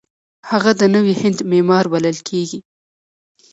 هغه د نوي هند معمار بلل کیږي.